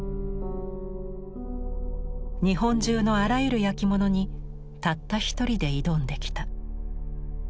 日本中のあらゆる焼き物にたった一人で挑んできた。